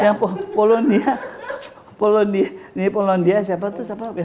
yang polonia polonia siapa tuh siapa